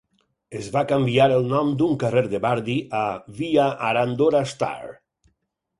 Es va canviar el nom d'un carrer de Bardi a "Via Arandora Star".